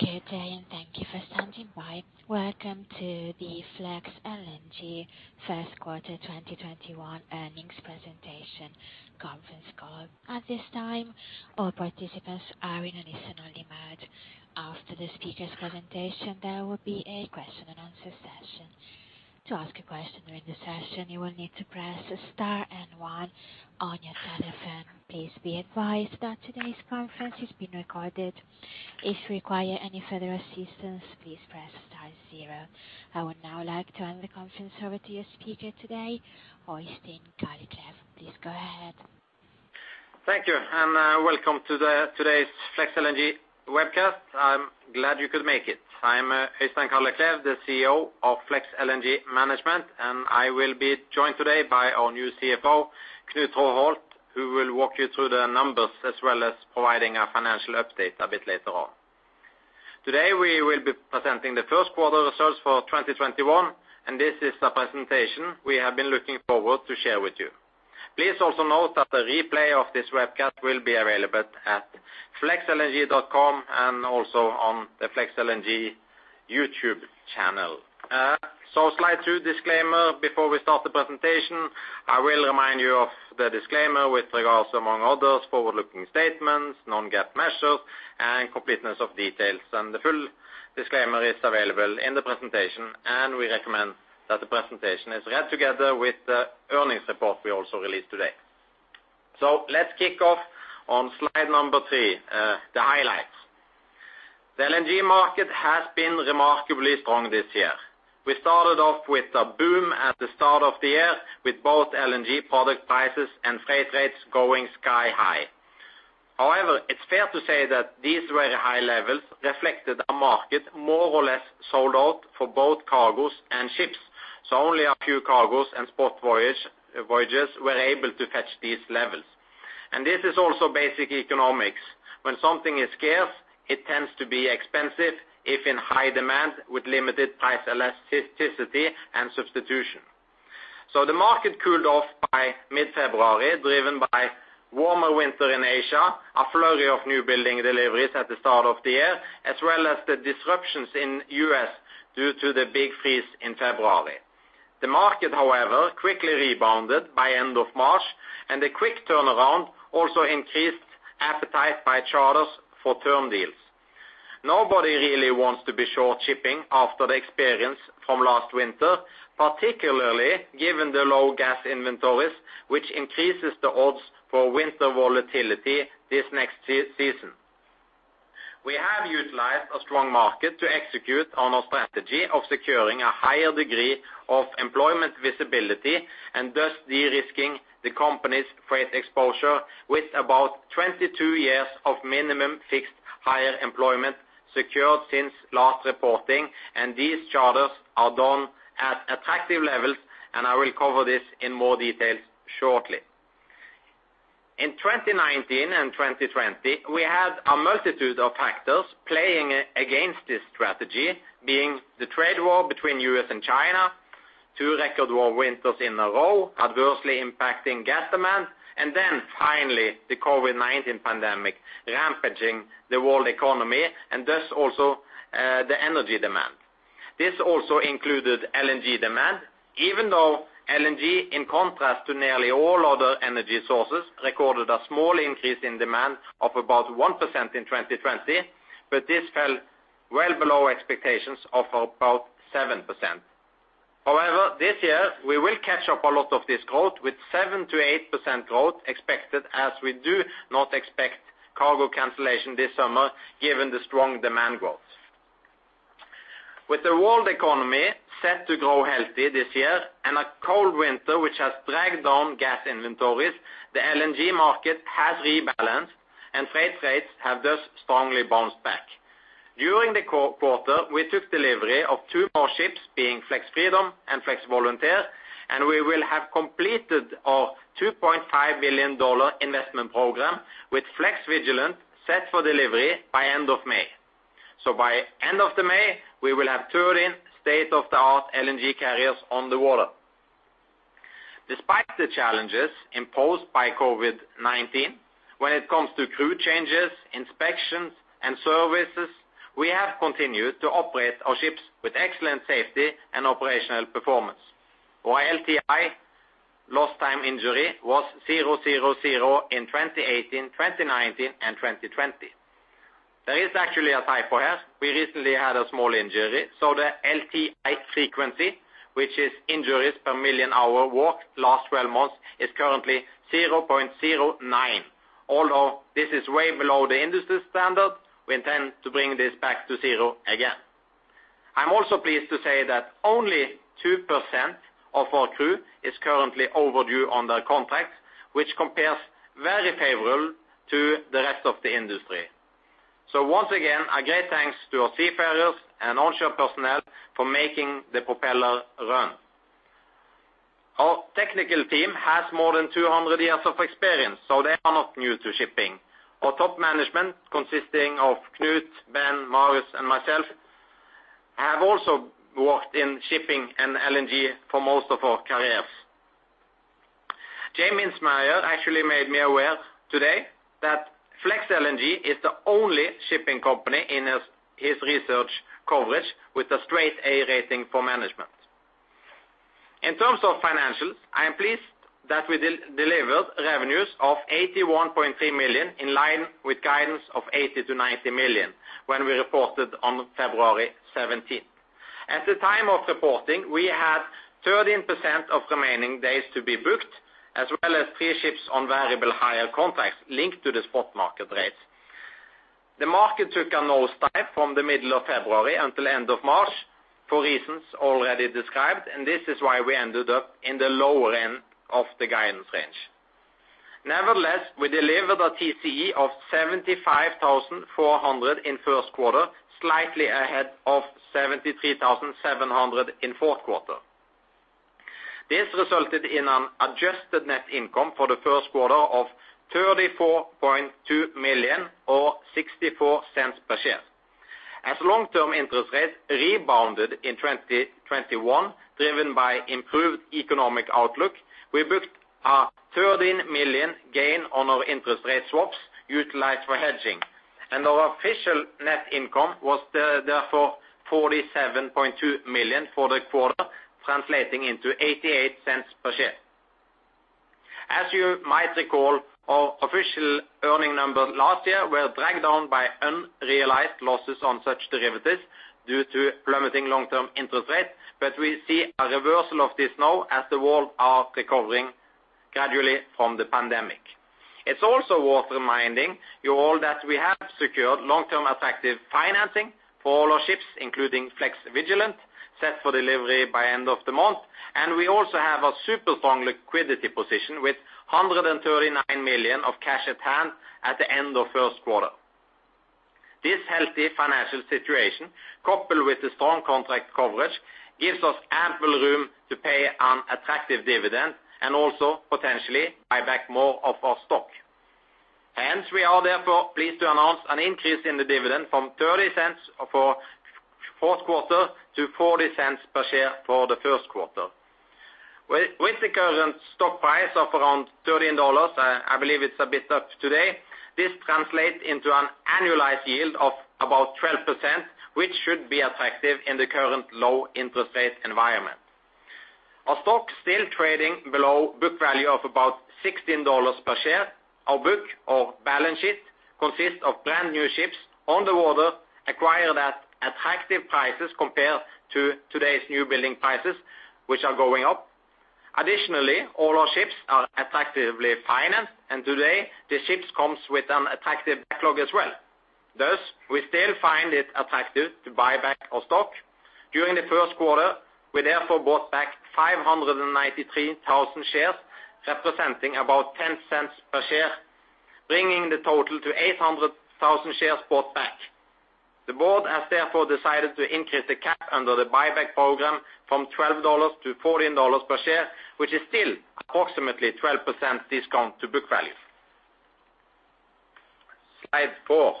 Good day, and thank you for standing by. Welcome to the FLEX LNG first quarter 2021 earnings presentation conference call. At this time, all participants are in a listen-only mode. After the speaker's presentation, there will be a question and answer session. To ask a question during the session, you will need to press star and one on your telephone. Please be advised that today's conference is being recorded. If you require any further assistance, please press star zero. I would now like to turn the conference over to your speaker today, Øystein Kalleklev. Please go ahead. Thank you, and welcome to today's FLEX LNG webcast. I'm glad you could make it. I'm Øystein Kalleklev, the CEO of FLEX LNG Management, and I will be joined today by our new CFO, Knut Traaholt, who will walk you through the numbers as well as providing a financial update a bit later on. Today, we will be presenting the first quarter results for 2021, and this is the presentation we have been looking forward to share with you. Please also note that the replay of this webcast will be available at flexlng.com and also on the FLEX LNG YouTube channel. Slide two, disclaimer. Before we start the presentation, I will remind you of the disclaimer with regards, among others, forward-looking statements, non-GAAP measures, and completeness of details. The full disclaimer is available in the presentation, and we recommend that the presentation is read together with the earnings report we also released today. Let's kick off on slide number three, the highlights. The LNG market has been remarkably strong this year. We started off with a boom at the start of the year with both LNG product prices and freight rates going sky high. It's fair to say that these very high levels reflected a market more or less sold out for both cargoes and ships, so only a few cargoes and spot voyages were able to catch these levels. This is also basic economics. When something is scarce, it tends to be expensive if in high demand with limited price elasticity and substitution. The market cooled off by mid-February, driven by warmer winter in Asia, a flurry of new building deliveries at the start of the year, as well as the disruptions in the U.S. due to the big freeze in February. The market, however, quickly rebounded by end of March, and the quick turnaround also increased appetite by charters for term deals. Nobody really wants to be short shipping after the experience from last winter, particularly given the low gas inventories, which increases the odds for winter volatility this next season. We have utilized a strong market to execute on our strategy of securing a higher degree of employment visibility and thus de-risking the company's freight exposure with about 22 years of minimum fixed hire employment secured since last reporting, and these charters are done at attractive levels, and I will cover this in more detail shortly. In 2019 and 2020, we had a multitude of factors playing against this strategy, being the trade war between U.S. and China, two record cold winters in a row adversely impacting gas demand, and then finally, the COVID-19 pandemic rampaging the world economy and thus also the energy demand. This also included LNG demand, even though LNG, in contrast to nearly all other energy sources, recorded a small increase in demand of about 1% in 2020, but this fell well below expectations of about 7%. However, this year, we will catch up a lot of this growth with 7%-8% growth expected as we do not expect cargo cancellation this summer given the strong demand growth. With the world economy set to grow healthy this year and a cold winter which has dragged on gas inventories, the LNG market has rebalanced and freight rates have just strongly bounced back. During the quarter, we took delivery of two more ships, being Flex Freedom and Flex Volunteer. We will have completed our $2.5 million investment program with Flex Vigilant set for delivery by end of May. By end of May, we will have three state-of-the-art LNG carriers on the water. Despite the challenges imposed by COVID-19 when it comes to crew changes, inspections, and services, we have continued to operate our ships with excellent safety and operational performance. Our LTI, lost time injury, was zero, zero in 2018, 2019, and 2020. There is actually a typo here. We recently had a small injury. The LTI frequency, which is injuries per million hours worked last 12 months, is currently 0.09. Although this is way below the industry standard, we intend to bring this back to zero again. I'm also pleased to say that only 2% of our crew is currently overdue on their contracts, which compares very favorably to the rest of the industry. Once again, a great thanks to our seafarers and onshore personnel for making the propeller run. Our technical team has more than 200 years of experience, so they are not new to shipping. Our top management, consisting of Knut, Ben, Marius, and myself, have also worked in shipping and LNG for most of our careers. James Ayers actually made me aware today that FLEX LNG is the only shipping company in his research coverage with a straight A rating for management. In terms of financials, I am pleased that we delivered revenues of $81.3 million, in line with guidance of $80 million-$90 million, when we reported on February 17th. At the time of reporting, we had 13% of remaining days to be booked, as well as three ships on Variable hire contracts linked to the spot market rates. The markets can all start from the middle of February until the end of March for reasons already described. This is why we ended up in the lower end of the guidance range. Nevertheless, we delivered a TCE of $75,400 in first quarter, slightly ahead of $73,700 in fourth quarter. This resulted in an adjusted net income for the first quarter of $34.2 million, or $0.64 per share. As long-term interest rates rebounded in 2021, driven by improved economic outlook, we booked a $13 million gain on our interest rate swaps utilized for hedging. Our official net income was therefore $47.2 million for the quarter, translating into $0.88 per share. As you might recall, our official earnings numbers last year were dragged down by unrealized losses on such derivatives due to plummeting long-term interest rates, but we see a reversal of this now as the world are recovering gradually from the pandemic. It's also worth reminding you all that we have secured long-term effective financing for all our ships, including Flex Vigilant, set for delivery by end of the month. We also have a super strong liquidity position, with $139 million of cash at hand at the end of first quarter. This healthy financial situation, coupled with the strong contract coverage, gives us ample room to pay an attractive dividend and also potentially buy back more of our stock. We are therefore pleased to announce an increase in the dividend from $0.30 for fourth quarter to $0.40 per share for the first quarter. With the current stock price of around $13, I believe it's a bit up today, this translates into an annualized yield of about 12%, which should be attractive in the current low interest rate environment. Our stock still trading below book value of about $16 per share. Our book or balance sheet consists of brand new ships on the water acquired at attractive prices compared to today's new building prices, which are going up. Additionally, all our ships are attractively financed, and today, the ships comes with an attractive backlog as well. Thus, we still find it attractive to buy back our stock. During the first quarter, we therefore bought back 593,000 shares, representing about $0.10 per share, bringing the total to 800,000 shares bought back. The board has therefore decided to increase the cap under the buyback program from $12 to $14 per share, which is still approximately 12% discount to book value. Slide four.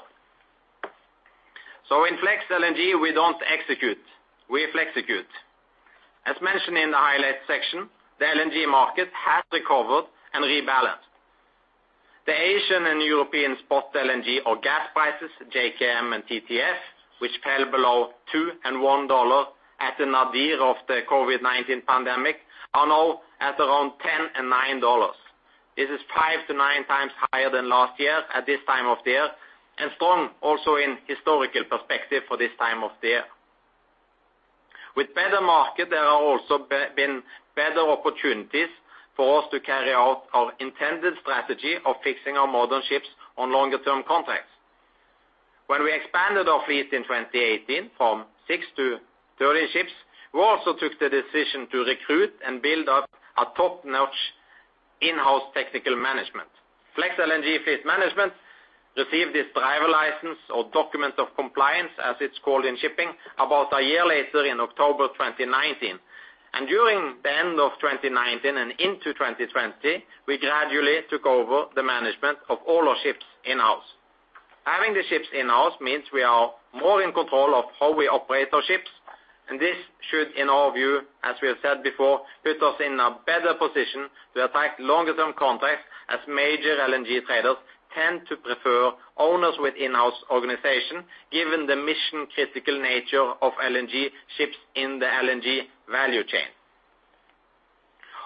In FLEX LNG, we don't execute, we flexecute. As mentioned in the highlights section, the LNG market has recovered and rebalanced. The Asian and European spot LNG or gas prices, JKM and TTF, which fell below $2 and $1 at the nadir of the COVID-19 pandemic, are now at around $10 and $9. This is five to nine times higher than last year at this time of year, and strong also in historical perspective for this time of year. With better market, there are also been better opportunities for us to carry out our intended strategy of fixing our modern ships on longer term contracts. When we expanded our fleet in 2018 from six to 30 ships, we also took the decision to recruit and build up a top-notch in-house technical management. FLEX LNG fleet management received its driver license or Document of Compliance, as it's called in shipping, about a year later in October 2019. During the end of 2019 and into 2020, we gradually took over the management of all our ships in-house. Having the ships in-house means we are more in control of how we operate our ships, and this should, in our view, as we have said before, put us in a better position to attract longer term contracts, as major LNG traders tend to prefer owners with in-house organization, given the mission critical nature of LNG ships in the LNG value chain.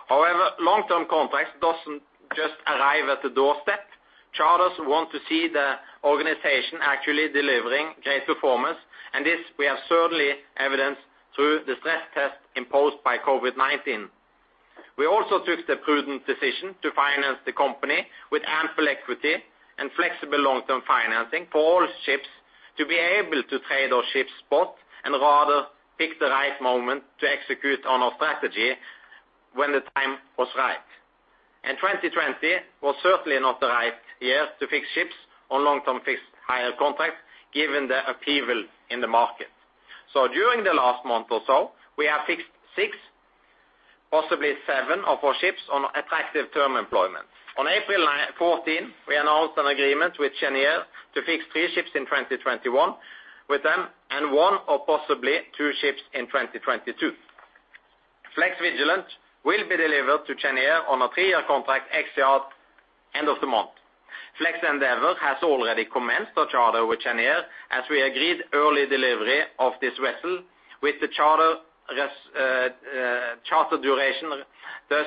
However, long-term contracts doesn't just arrive at the doorstep. Charters want to see the organization actually delivering great performance. This we have certainly evidenced through the stress test imposed by COVID-19. We also took the prudent decision to finance the company with ample equity and flexible long-term financing for all ships to be able to trade our ships spot and rather pick the right moment to execute on our strategy when the time was right. 2020 was certainly not the right year to fix ships on long-term fixed hire contracts, given the upheaval in the market. During the last month or so, we have fixed six, possibly seven of our ships on attractive term employment. On April 14, we announced an agreement with Cheniere to fix three ships in 2021 with them and one or possibly two ships in 2022. Flex Vigilant will be delivered to Cheniere on a three-year contract ex-yard end of the month. Flex Endeavour has already commenced the charter with Cheniere as we agreed early delivery of this vessel with the charter duration, thus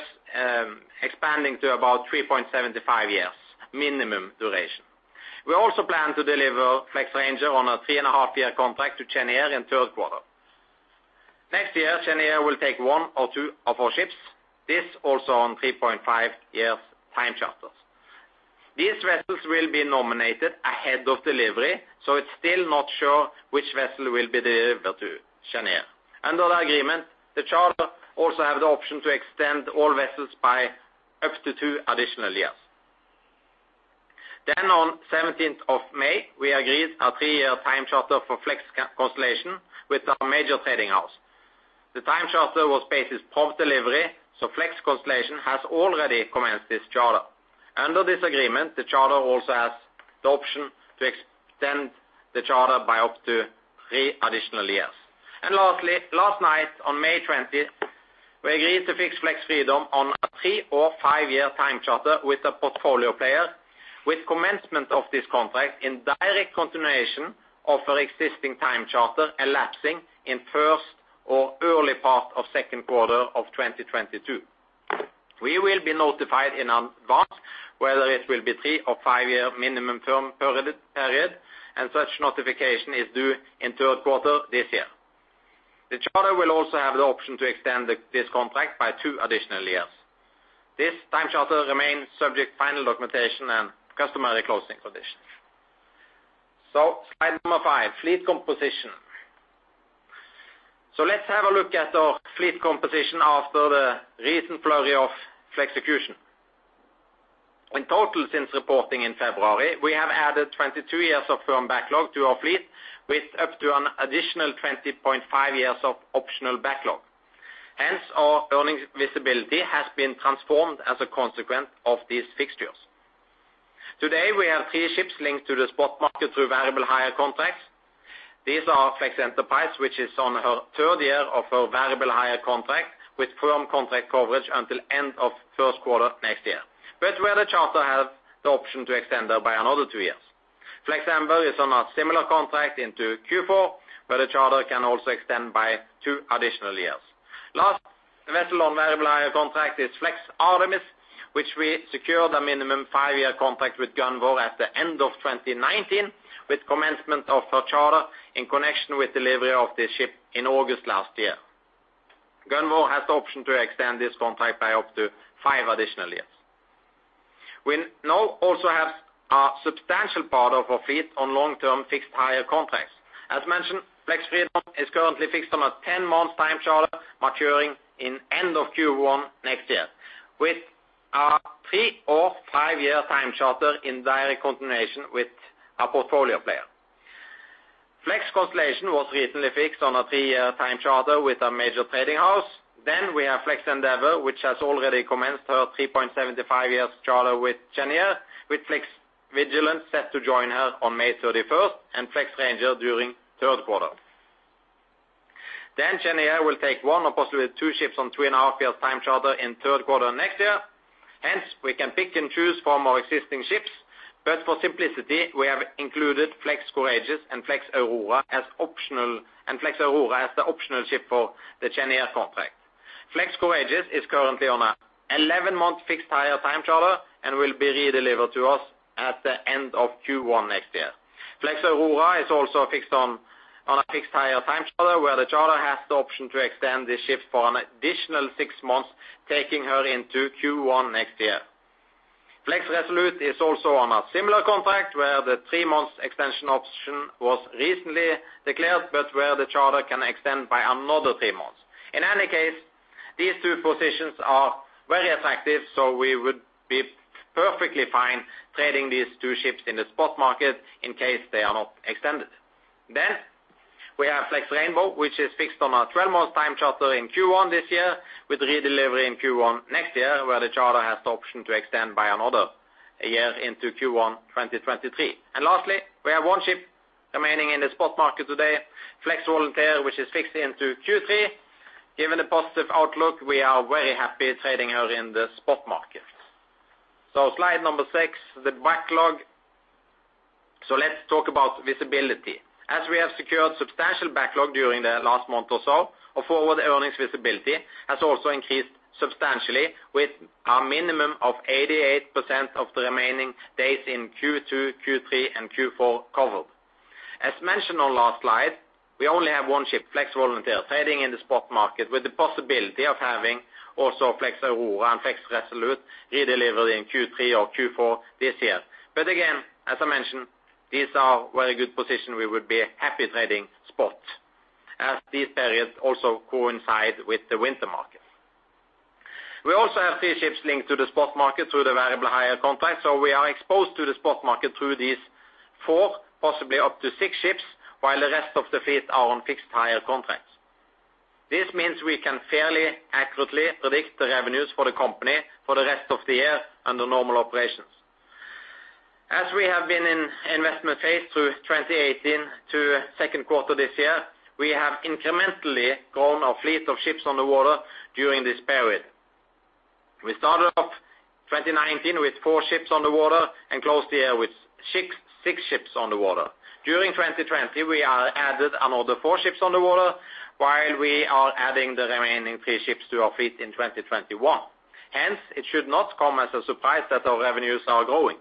expanding to about 3.75 years minimum duration. We also plan to deliver Flex Ranger on a three and a half year contract to Cheniere in third quarter. Next year, Cheniere will take one or two of our ships, this also on 3.5 years time charters. These vessels will be nominated ahead of delivery, so it's still not sure which vessel will be delivered to Cheniere. Under the agreement, the charter also has the option to extend all vessels by up to two additional years. On 17th of May, we agreed a three-year time charter for Flex Constellation with a major trading house. The time charter was based upon delivery, so Flex Constellation has already commenced this charter. Under this agreement, the charter also has the option to extend the charter by up to three additional years. Lastly, last night on May 20th, we agreed to fix Flex Freedom on a three or five-year time charter with a portfolio player with commencement of this contract in direct continuation of her existing time charter elapsing in first or early part of second quarter of 2022. We will be notified in advance whether it will be three or five-year minimum term period, and such notification is due in third quarter this year. The charter will also have the option to extend this contract by two additional years. This time charter remains subject to final documentation and customary closing conditions. Slide number five, fleet composition. Let's have a look at our fleet composition after the recent flurry of flexecution. In total since reporting in February, we have added 22 years of firm backlog to our fleet with up to an additional 20.5 years of optional backlog. Hence our earnings visibility has been transformed as a consequence of these fixtures. Today, we have three ships linked to the spot market through variable hire contracts. These are Flex Enterprise, which is on her third year of her variable hire contract with firm contract coverage until end of first quarter next year, but where the charter has the option to extend her by another two years. Flex Endeavour is on a similar contract into Q4, where the charter can also extend by two additional years. Last vessel on variable hire contract is Flex Artemis, which we secured a minimum five-year contract with Gunvor at the end of 2019 with commencement of her charter in connection with delivery of this ship in August last year. Gunvor has the option to extend this contract by up to five additional years. We now also have a substantial part of our fleet on long-term fixed hire contracts. As mentioned, Flex Freedom is currently fixed on a 10-month time charter maturing in end of Q1 next year with a three or five-year time charter in direct continuation with a portfolio player. Flex Constellation was recently fixed on a three-year time charter with a major trading house. We have Flex Endeavour, which has already commenced her 3.75 years charter with Cheniere, with Flex Vigilant set to join her on May 31st and Flex Ranger during third quarter. Cheniere will take one or possibly two ships on three-and-a-half year time charter in third quarter next year. We can pick and choose from our existing ships, but for simplicity, we have included Flex Courageous and Flex Aurora as the optional ship for the Cheniere contract. Flex Courageous is currently on an 11-month fixed hire time charter and will be redelivered to us at the end of Q1 next year. Flex Aurora is also fixed on a fixed hire time charter where the charter has the option to extend this ship for an additional six months, taking her into Q1 next year. Flex Resolute is also on a similar contract where the three-month extension option was recently declared, but where the charter can extend by another three months. In any case, these two positions are very attractive, so we would be perfectly fine trading these two ships in the spot market in case they are not extended. We have Flex Rainbow, which is fixed on a 12-month time charter in Q1 this year with redelivery in Q1 next year, where the charter has the option to extend by another a year into Q1 2023. Lastly, we have one ship remaining in the spot market today, Flex Volunteer, which is fixed into Q3. Given the positive outlook, we are very happy trading her in the spot market. Slide number six, the backlog. Let's talk about visibility. As we have secured substantial backlog during the last month or so, our forward earnings visibility has also increased substantially with a minimum of 88% of the remaining days in Q2, Q3, and Q4 covered. As mentioned on last slide, we only have one ship, Flex Volunteer, trading in the spot market with the possibility of having also Flex Aurora and Flex Resolute redelivered in Q3 or Q4 this year. Again, as I mentioned, these are very good positions we would be happy trading spot as these periods also coincide with the winter market. We also have three ships linked to the spot market through the variable hire contract, We are exposed to the spot market through these four, possibly up to six ships, while the rest of the fleet are on fixed hire contracts. This means we can fairly accurately predict the revenues for the company for the rest of the year under normal operations. As we have been in investment phase through 2018 to second quarter this year, we have incrementally grown our fleet of ships on the water during this period. We started off 2019 with four ships on the water and closed the year with six ships on the water. During 2020, we added another four ships on the water, while we are adding the remaining three ships to our fleet in 2021. Hence, it should not come as a surprise that our revenues are growing.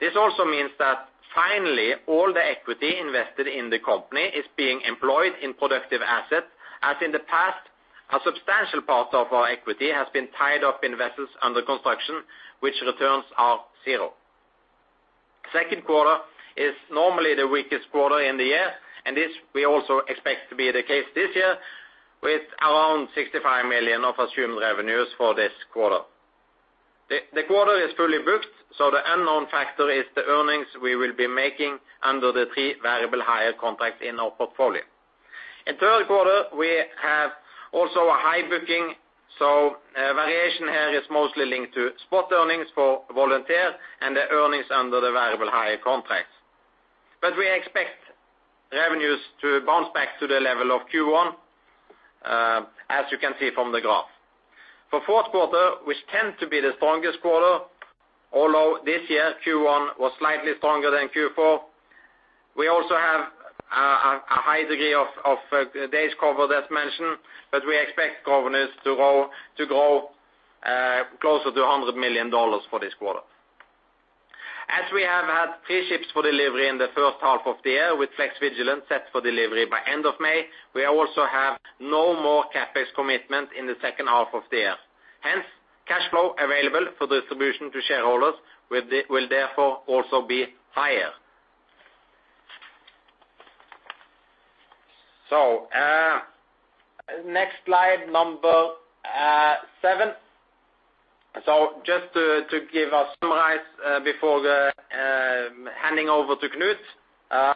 This also means that finally, all the equity invested in the company is being employed in productive assets, as in the past, a substantial part of our equity has been tied up in vessels under construction, which returns are zero. Second quarter is normally the weakest quarter in the year, and this we also expect to be the case this year with around $65 million of assumed revenues for this quarter. The quarter is fully booked, the unknown factor is the earnings we will be making under the three variable hire contracts in our portfolio. In third quarter, we have also a high booking, variation here is mostly linked to spot earnings for Flex Volunteer and the earnings under the variable hire contracts. We expect revenues to bounce back to the level of Q1, as you can see from the graph. For fourth quarter, which tend to be the strongest quarter, although this year Q1 was slightly stronger than Q4, we also have a high degree of days covered, as mentioned, but we expect revenues to grow closer to $100 million for this quarter. We have had three ships for delivery in the first half of the year with Flex Vigilant set for delivery by end of May, we also have no more CapEx commitment in the second half of the year. Cash flow available for distribution to shareholders will therefore also be higher. Next slide, number seven. Just to give a summary before the handing over to Knut.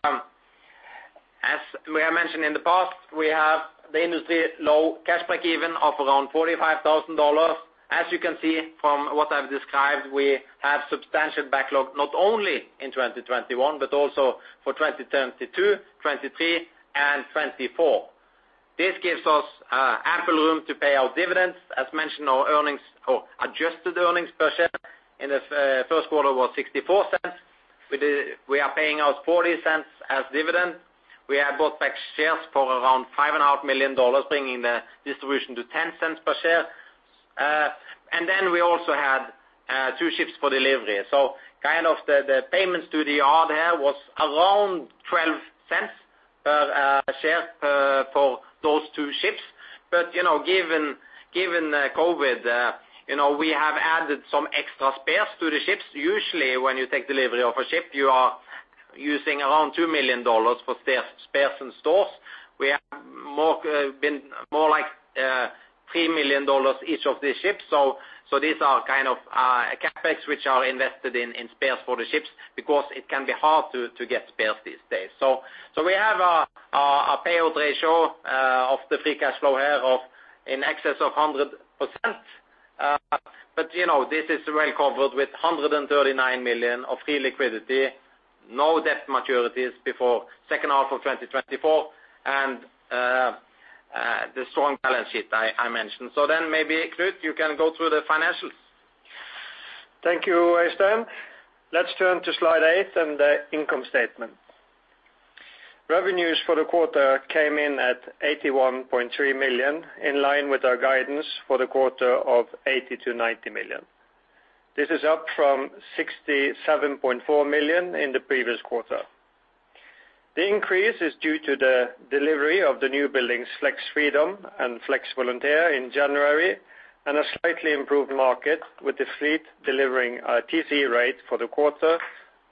As we have mentioned in the past, we have the industry-low cash break-even of around $45,000. As you can see from what I've described, we have substantial backlog not only in 2021, but also for 2022, 2023, and 2024. This gives us ample room to pay out dividends. As mentioned, our earnings or adjusted earnings per share in the first quarter was $0.64. We are paying out $0.40 as dividend. We have bought back shares for around $5.5 million, bringing the distribution to $0.10 per share. We also had two ships for delivery. Kind of the payments to the order was around $0.12 per share for those two ships. Given COVID-19, we have added some extra spares to the ships. Usually, when you take delivery of a ship, you are using around $2 million for spares and stores. We have been more like $3 million each of these ships. These are kind of CapEx which are invested in spares for the ships because it can be hard to get spares these days. We have a payout ratio of the free cash flow here of in excess of 100%. This is well covered with $139 million of free liquidity, no debt maturities before second half of 2024, and the strong balance sheet I mentioned. Maybe, Knut, you can go through the financials. Thank you, Øystein. Let's turn to slide eight and the income statement. Revenues for the quarter came in at $81.3 million, in line with our guidance for the quarter of $80 million-$90 million. This is up from $67.4 million in the previous quarter. The increase is due to the delivery of the new buildings, Flex Freedom and Flex Volunteer, in January and a slightly improved market with the fleet delivering a TC rate for the quarter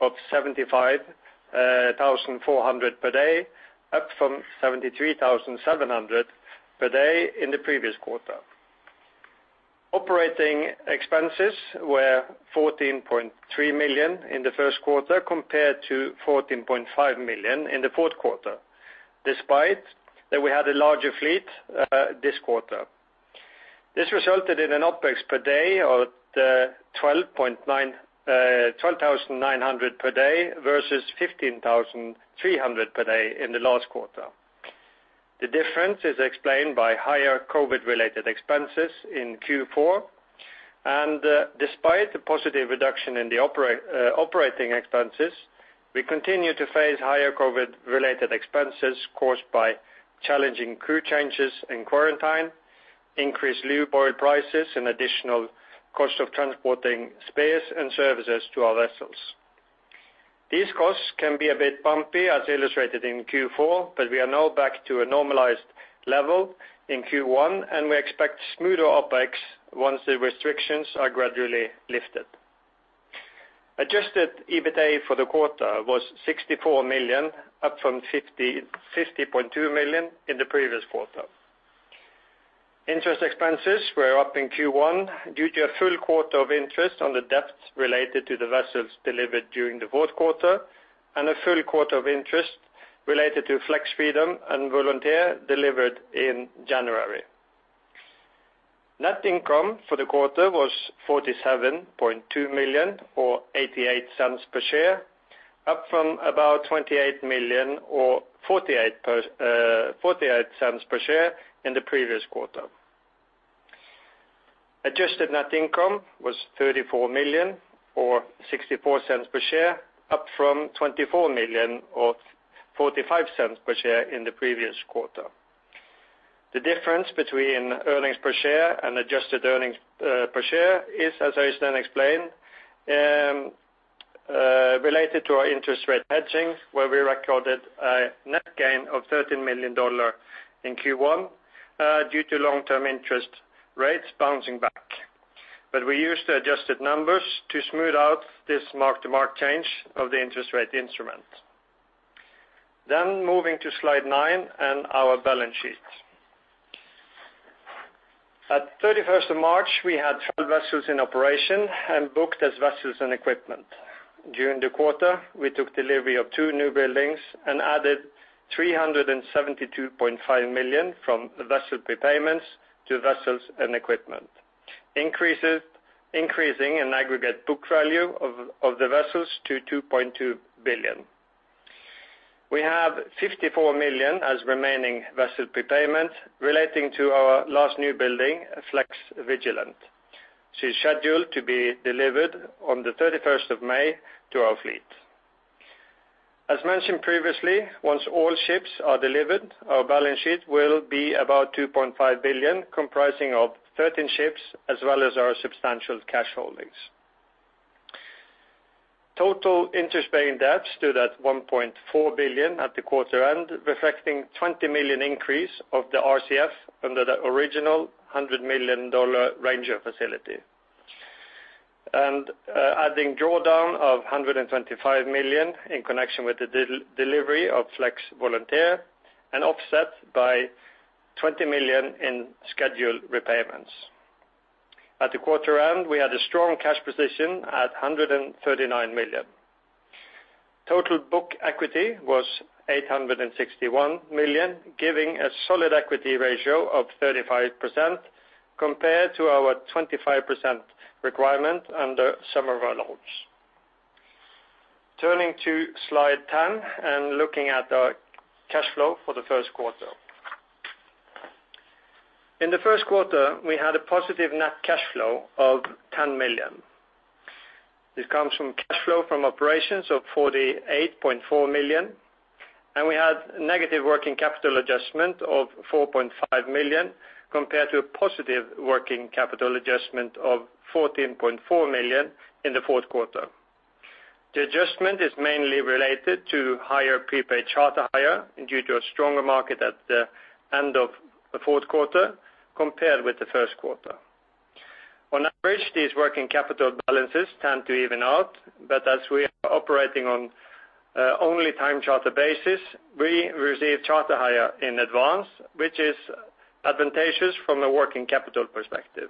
of $75,400 per day, up from $73,700 per day in the previous quarter. Operating expenses were $14.3 million in the first quarter compared to $14.5 million in the fourth quarter, despite that we had a larger fleet this quarter. This resulted in an OpEx per day of $12,900 per day versus $15,300 per day in the last quarter. The difference is explained by higher COVID-related expenses in Q4. Despite the positive reduction in the operating expenses, we continue to face higher COVID-related expenses caused by challenging crew changes and quarantine, increased lube oil prices, and additional cost of transporting spares and services to our vessels. These costs can be a bit bumpy, as illustrated in Q4, but we are now back to a normalized level in Q1, and we expect smoother OpEx once the restrictions are gradually lifted. Adjusted EBITDA for the quarter was $64 million, up from $50.2 million in the previous quarter. Interest expenses were up in Q1 due to a full quarter of interest on the debts related to the vessels delivered during the fourth quarter and a full quarter of interest related to Flex Freedom and Flex Volunteer delivered in January. Net income for the quarter was $47.2 million or $0.88 per share, up from about $28 million or $0.48 per share in the previous quarter. Adjusted net income was $34 million or $0.64 per share, up from $24 million or $0.45 per share in the previous quarter. The difference between earnings per share and adjusted earnings per share is, as Øystein explained, related to our interest rate hedging where we recorded a net gain of $30 million in Q1 due to long-term interest rates bouncing back. We use the adjusted numbers to smooth out this mark-to-market change of the interest rate instrument. Moving to slide nine and our balance sheet. At 31st of March, we had 12 vessels in operation and booked as vessels and equipment. During the quarter, we took delivery of two newbuildings and added $372.5 million from vessel prepayments to vessels and equipment, increasing an aggregate book value of the vessels to $2.2 billion. We have $54 million as remaining vessel prepayment relating to our last newbuilding, Flex Vigilant. She's scheduled to be delivered on the 31st of May to our fleet. As mentioned previously, once all ships are delivered, our balance sheet will be about $2.5 billion, comprising of 13 ships as well as our substantial cash holdings. Total interest-bearing debts stood at $1.4 billion at the quarter end, reflecting $20 million increase of the RCF under the original $100 million Ranger facility. Adding drawdown of $125 million in connection with the delivery of Flex Volunteer and offset by $20 million in scheduled repayments. At the quarter end, we had a strong cash position at $139 million. Total book equity was $861 million, giving a solid equity ratio of 35% compared to our 25% requirement under several loans. Turning to slide 10 and looking at our cash flow for the first quarter. In the first quarter, we had a positive net cash flow of $10 million. This comes from cash flow from operations of $48.4 million, and we had negative working capital adjustment of $4.5 million compared to a positive working capital adjustment of $14.4 million in the fourth quarter. The adjustment is mainly related to higher prepaid charter hire due to a stronger market at the end of the fourth quarter compared with the first quarter. On average, these working capital balances tend to even out, but as we are operating on only time charter basis, we receive charter hire in advance, which is advantageous from a working capital perspective.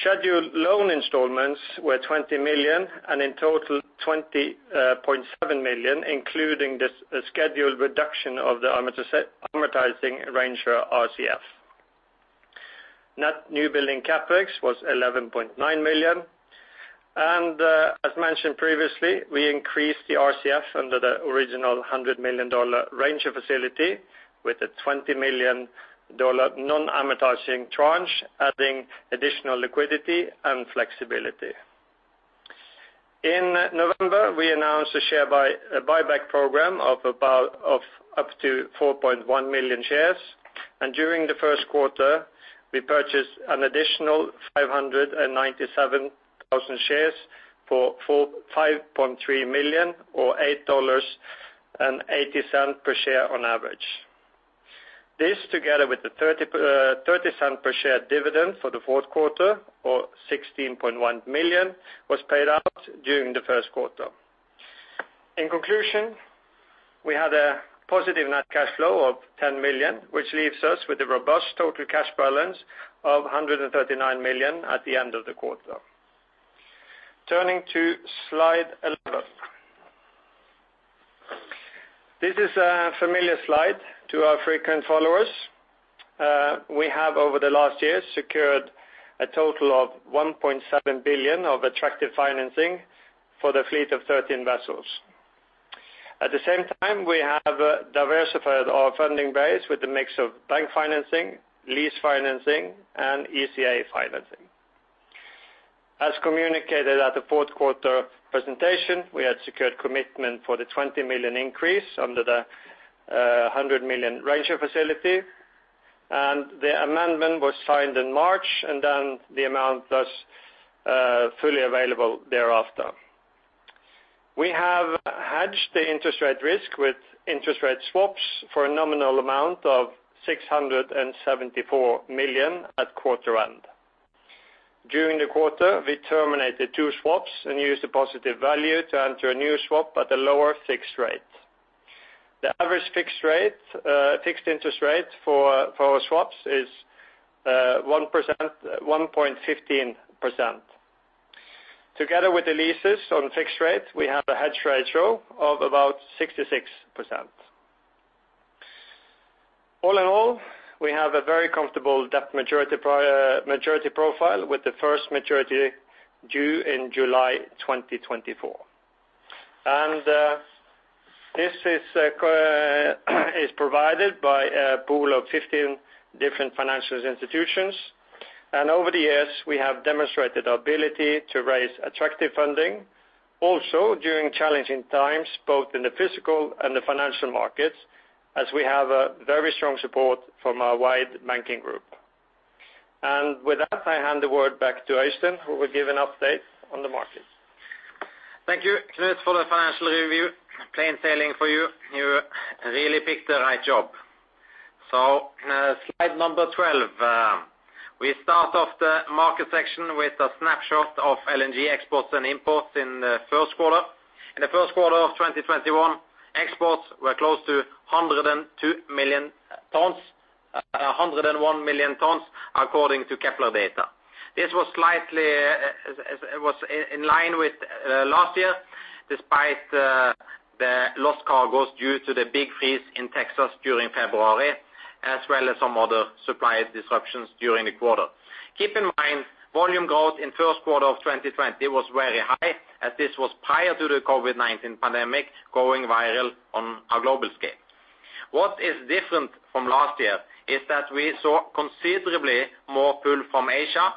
Scheduled loan installments were $20 million. In total $20.7 million, including the scheduled reduction of the amortizing Ranger RCF. Net newbuilding CapEx was $11.9 million. As mentioned previously, we increased the RCF under the original $100 million Ranger facility with a $20 million non-amortizing tranche adding additional liquidity and flexibility. In November, we announced a share buyback program of up to 4.1 million shares. During the first quarter, we purchased an additional 597,000 shares for $5.3 million or $8.80 per share on average. This, together with the $0.30 per share dividend for the fourth quarter or $16.1 million, was paid out during the first quarter. In conclusion, we had a positive net cash flow of $10 million, which leaves us with a robust total cash balance of $139 million at the end of the quarter. Turning to slide 11. This is a familiar slide to our frequent followers. We have over the last year secured a total of $1.7 billion of attractive financing for the fleet of 13 vessels. At the same time, we have diversified our funding base with a mix of bank financing, lease financing, and ECA financing. As communicated at the fourth quarter presentation, we had secured commitment for the $20 million increase under the $100 million Ranger facility, the amendment was signed in March and the amount was fully available thereafter. We have hedged the interest rate risk with interest rate swaps for a nominal amount of $674 million at quarter end. During the quarter, we terminated two swaps and used the positive value to enter a new swap at a lower fixed rate. The average fixed interest rate for our swaps is 1.15%. Together with the leases on fixed rates, we have a hedge ratio of about 66%. All in all, we have a very comfortable debt maturity profile with the first maturity due in July 2024. This is provided by a pool of 15 different financial institutions. Over the years, we have demonstrated our ability to raise attractive funding also during challenging times, both in the physical and the financial markets, as we have a very strong support from a wide banking group. With that, I hand the word back to Øystein, who will give an update on the market. Thank you, Knut, for the financial review. Plain sailing for you. You really picked the right job. Slide number 12. We start off the market section with a snapshot of LNG exports and imports in the first quarter. In the first quarter of 2021, exports were close to 101 million tons according to Kpler data. This was in line with last year despite the lost cargoes due to the big freeze in Texas during February, as well as some other supply disruptions during the quarter. Keep in mind, volume growth in the first quarter of 2020 was very high as this was prior to the COVID-19 pandemic going viral on a global scale. What is different from last year is that we saw considerably more fuel from Asia,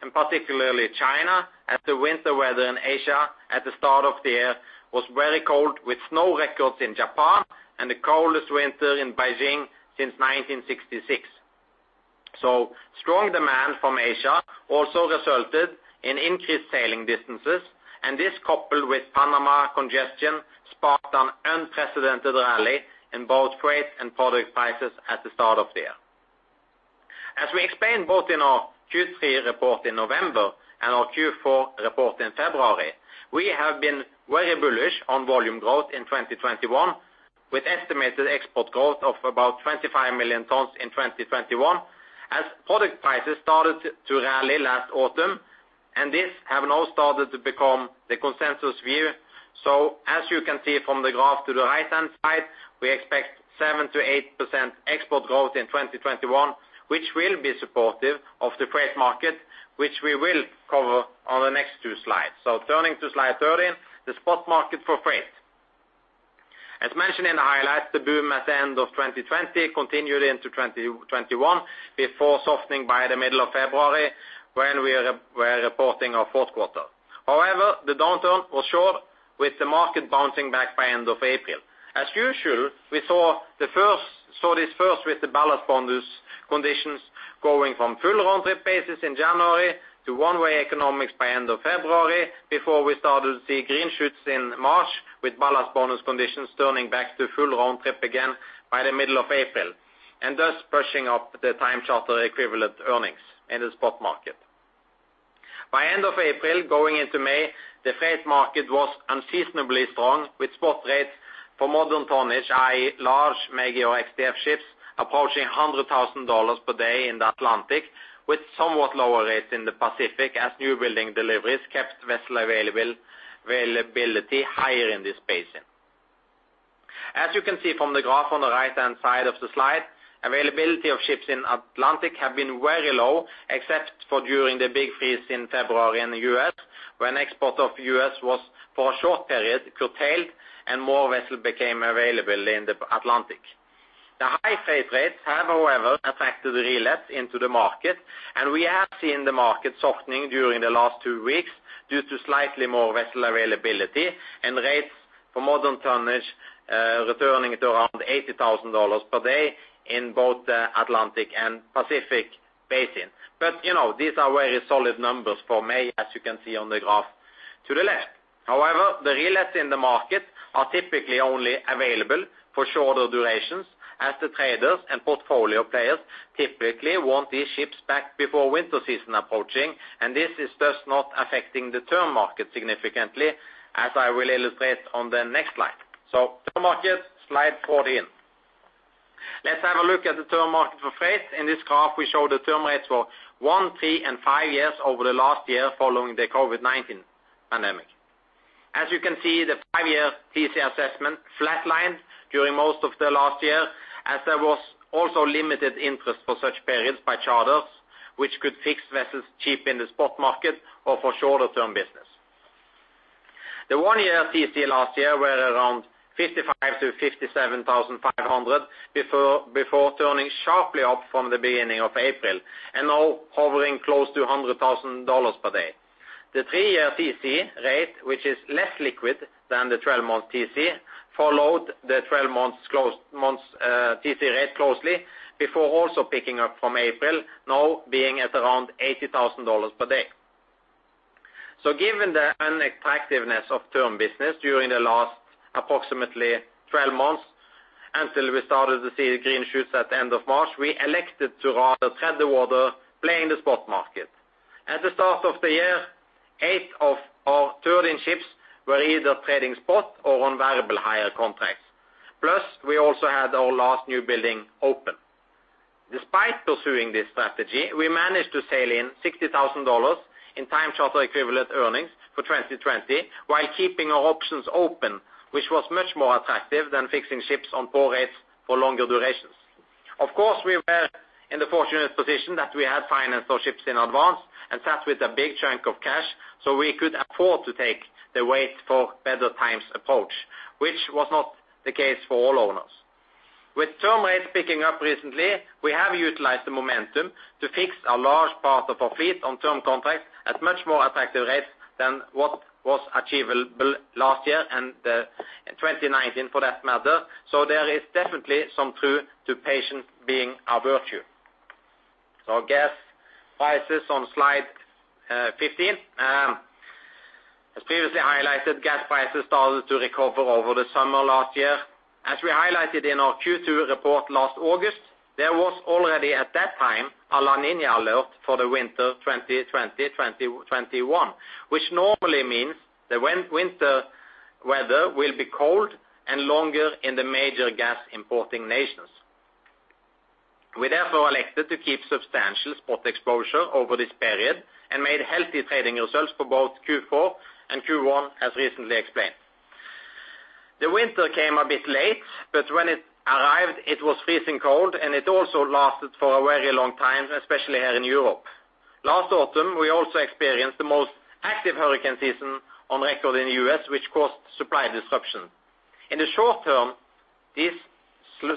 and particularly China, as the winter weather in Asia at the start of the year was very cold with snow records in Japan and the coldest winter in Beijing since 1966. Strong demand from Asia also resulted in increased sailing distances, and this coupled with Panama congestion, sparked an unprecedented rally in both freight and product prices at the start of the year. As we explained both in our Q3 report in November and our Q4 report in February, we have been very bullish on volume growth in 2021, with estimated export growth of about 25 million tons in 2021 as product prices started to rally last autumn. This has now started to become the consensus view. As you can see from the graph to the right-hand side, we expect 7%-8% export growth in 2021, which will be supportive of the freight market, which we will cover on the next two slides. Turning to slide 13, the spot market for freight. As mentioned in our last, the boom at the end of 2020 continued into 2021 before softening by the middle of February when we were reporting our fourth quarter. However, the downturn was short, with the market bouncing back by end of April. As usual, we saw this first with the ballast bonus conditions going from full round trip basis in January to one-way economics by end of February before we started to see green shoots in March with ballast bonus conditions turning back to full round trip again by the middle of April and thus pushing up the time charter equivalent earnings in the spot market. By end of April going into May, the freight market was unseasonably strong with spot rates for modern tonnage, i.e., large mega X-DF ships approaching $100,000 per day in the Atlantic with somewhat lower rates in the Pacific as new building deliveries kept vessel availability higher in this basin. As you can see from the graph on the right-hand side of the slide, availability of ships in Atlantic have been very low except for during the big freeze in February in the U.S. when export of U.S. was for a short period curtailed and more vessels became available in the Atlantic. The high freight rates have, however, attracted the relets into the market and we have seen the market softening during the last two weeks due to slightly more vessel availability and rates for modern tonnage returning to around $80,000 per day in both the Atlantic and Pacific basin. These are very solid numbers for May as you can see on the graph to the left. The relapse in the market are typically only available for shorter durations as the traders and portfolio players typically want these ships back before winter season approaching, this is just not affecting the term market significantly as I will illustrate on the next slide. Term market, slide 14. Let's have a look at the term market for freight. In this graph, we show the term rates for one, three, and five years over the last year following the COVID-19 pandemic. As you can see, the five-year TC assessment flatlined during most of the last year as there was also limited interest for such periods by charterers which could fix vessels cheap in the spot market or for shorter-term business. The one-year TCE last year were around $55,000-$57,500 before turning sharply up from the beginning of April and now hovering close to $100,000 per day. The three-year TCE rate, which is less liquid than the 12 months TCE, followed the 12 months TCE rate closely before also picking up from April, now being at around $80,000 per day. Given the unattractiveness of term business during the last approximately 12 months, until we started to see green shoots at the end of March, we elected to rather tread the water, playing the spot market. At the start of the year, eight of our 13 ships were either trading spot or on variable hire contracts. Plus, we also had our last new building open. Despite pursuing this strategy, we managed to sail in $60,000 in time charter equivalent earnings for 2020 while keeping our options open, which was much more attractive than fixing ships on poor rates for longer durations. We were in the fortunate position that we had financed our ships in advance and sat with a big chunk of cash, so we could afford to take the wait for better times approach, which was not the case for all owners. With term rates picking up recently, we have utilized the momentum to fix a large part of our fleet on term contracts at much more attractive rates than what was achievable last year, and in 2019 for that matter. There is definitely some truth to patience being a virtue. Gas prices on slide 15. As previously highlighted, gas prices started to recover over the summer last year. As we highlighted in our Q2 report last August, there was already at that time a La Niña alert for the winter 2020-2021, which normally means the winter weather will be cold and longer in the major gas importing nations. We therefore elected to keep substantial spot exposure over this period and made healthy trading results for both Q4 and Q1, as recently explained. The winter came a bit late, but when it arrived, it was freezing cold, and it also lasted for a very long time, especially here in Europe. Last autumn, we also experienced the most active hurricane season on record in the U.S., which caused supply disruption. In the short term, these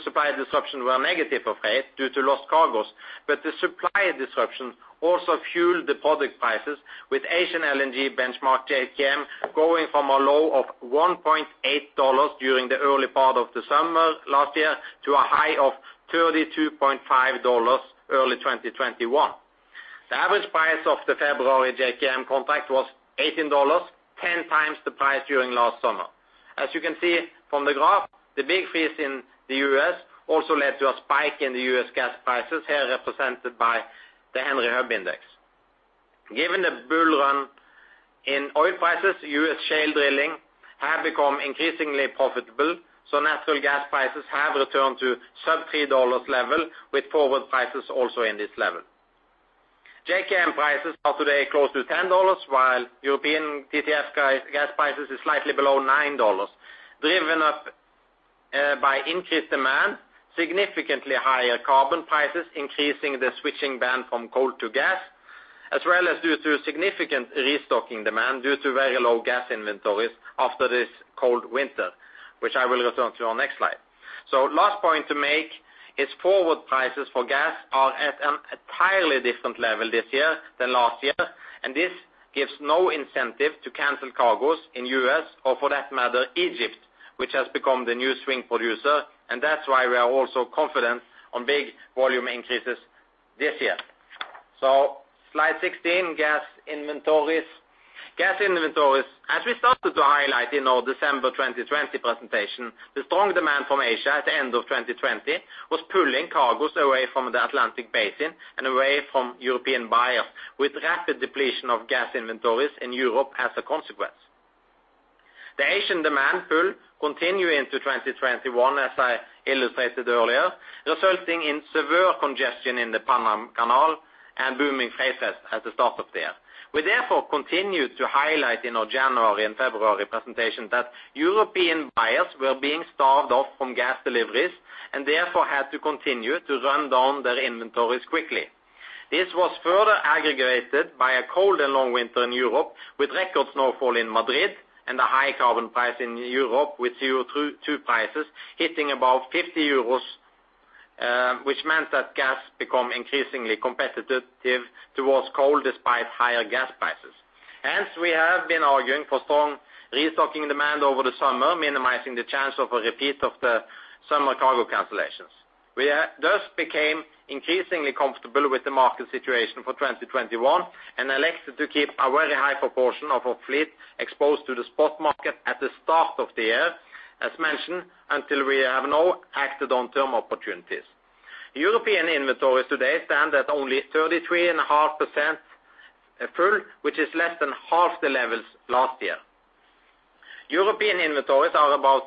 supply disruptions were a negative effect due to lost cargoes, but the supply disruptions also fueled the product prices with Asian LNG benchmark JKM going from a low of $1.8 during the early part of the summer last year to a high of $32.5 early 2021. The average price of the February JKM contract was $18, 10 times the price during last summer. As you can see from the graph, the big freeze in the U.S. also led to a spike in the U.S. gas prices, here represented by the Henry Hub. Given the bull run in oil prices, U.S. shale drilling have become increasingly profitable, so natural gas prices have returned to sub $3 level, with forward prices also in this level. JKM prices are today close to $10, while European TTF gas prices is slightly below $9, driven up by increased demand, significantly higher carbon prices, increasing the switching band from coal to gas, as well as due to a significant restocking demand due to very low gas inventories after this cold winter, which I will return to on next slide. Last point to make is forward prices for gas are at an entirely different level this year than last year, and this gives no incentive to cancel cargoes in U.S. or for that matter, Egypt, which has become the new swing producer, and that's why we are also confident on big volume increases this year. Slide 16, gas inventories. Gas inventories. As we started to highlight in our December 2020 presentation, the strong demand from Asia at the end of 2020 was pulling cargoes away from the Atlantic Basin and away from European buyers, with rapid depletion of gas inventories in Europe as a consequence. The Asian demand pull continued into 2021, as I illustrated earlier, resulting in severe congestion in the Panama Canal and booming freight rates at the start of the year. We therefore continued to highlight in our January and February presentation that European buyers were being starved off from gas deliveries and therefore had to continue to run down their inventories quickly. This was further aggravated by a cold and long winter in Europe, with record snowfall in Madrid and a high carbon price in Europe, with CO2 prices hitting above 50 euros, which meant that gas become increasingly competitive towards coal despite higher gas prices. We have been arguing for strong restocking demand over the summer, minimizing the chance of a repeat of the summer cargo cancellations. We thus became increasingly comfortable with the market situation for 2021 and elected to keep a very high proportion of our fleet exposed to the spot market at the start of the year, as mentioned, until we have now acted on term opportunities. European inventories today stand at only 33.5% full, which is less than half the levels last year. European inventories are about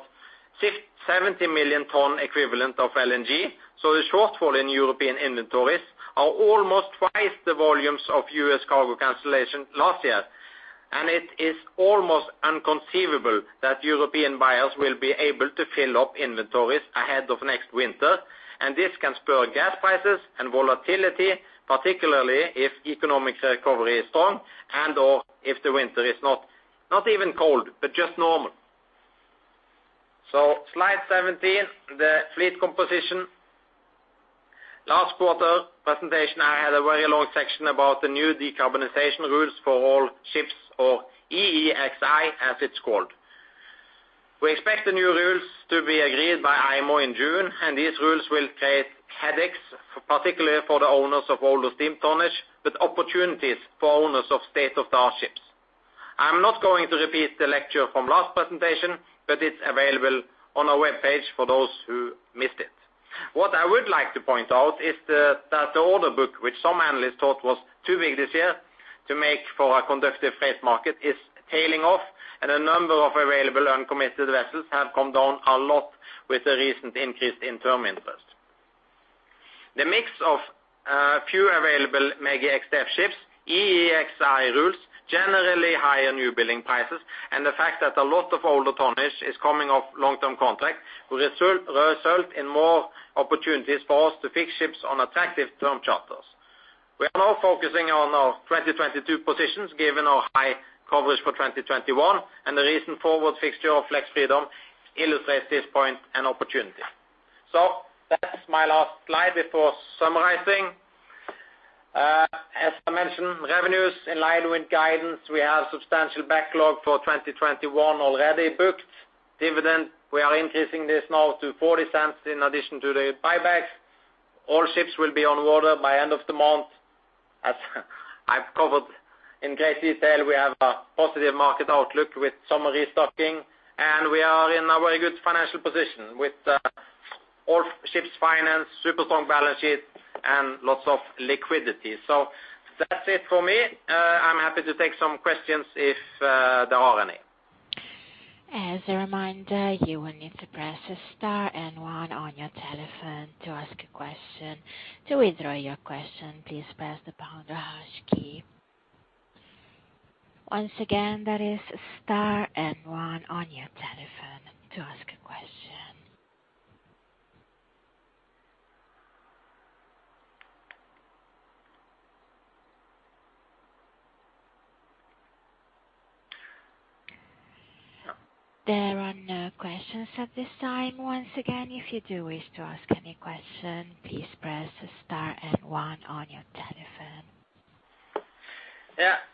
70 million ton equivalent of LNG, the shortfall in European inventories are almost twice the volumes of U.S. cargo cancellation last year. It is almost inconceivable that European buyers will be able to fill up inventories ahead of next winter, and this can spur gas prices and volatility, particularly if economic recovery is strong and/or if the winter is not even cold, but just normal. Slide 17, the fleet composition. Last quarter presentation, I had a very long section about the new decarbonization rules for all ships or EEXI, as it's called. We expect the new rules to be agreed by IMO in June, and these rules will create headaches, particularly for the owners of older steam tonnage, but opportunities for owners of state-of-the-art ships. I'm not going to repeat the lecture from last presentation, but it's available on our webpage for those who missed it. What I would like to point out is that the order book, which some analysts thought was too big this year to make for a conducive freight market, is tailing off, and the number of available uncommitted vessels have come down a lot with the recent increase in term interest. The mix of few available mega X-DF ships, EEXI rules, generally higher new building prices, and the fact that a lot of older tonnage is coming off long-term contracts will result in more opportunities for us to fix ships on attractive term charters. We are now focusing on our 2022 positions given our high coverage for 2021. The recent forward fixture of Flex Freedom illustrates this point and opportunity. That's my last slide before summarizing. As I mentioned, revenues in line with guidance. We have substantial backlog for 2021 already booked. Dividend, we are increasing this now to $0.40 in addition to the buybacks. All ships will be on water by end of the month. As I've covered in great detail, we have a positive market outlook with some restocking, and we are in a very good financial position with all ships financed, super strong balance sheet, and lots of liquidity. That's it for me. I'm happy to take some questions if there are any. As a reminder, you will need to press star and one on your telephone to ask a question. To withdraw your question, please press the pound or hash key. Once again, that is star and one on your telephone to ask a question. There are no questions at this time. Once again, if you do wish to ask any question, please press star and one on your telephone.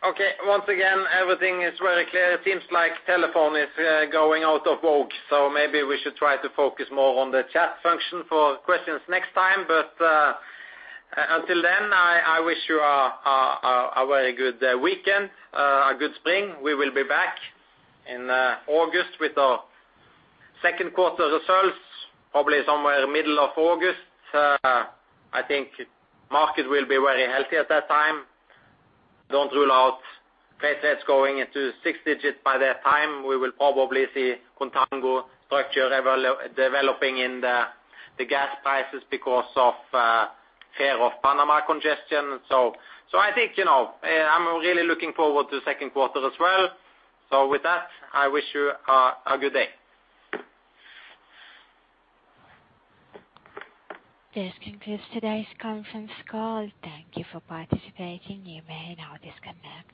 Okay. Once again, everything is very clear. It seems like telephone is going out of vogue, so maybe we should try to focus more on the chat function for questions next time. Until then, I wish you a very good weekend, a good spring. We will be back in August with our second quarter results, probably somewhere middle of August. I think market will be very healthy at that time. Don't rule out freight rates going into six digits by that time. We will probably see contango structure developing in the gas prices because of fear of Panama congestion. I think I'm really looking forward to second quarter as well. With that, I wish you a good day. This concludes today's conference call. Thank you for participating. You may now disconnect.